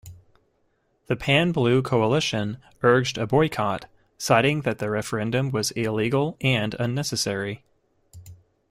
The Pan-Blue Coalition urged a boycott, citing that the referendum was illegal and unnecessary.